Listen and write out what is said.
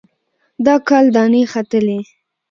د کال دانې ختلي